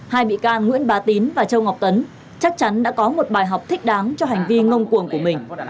hai bị can nguyễn bá tín và châu ngọc tấn chắc chắn đã có một bài học thích đáng cho hành vi ngông cuồng của mình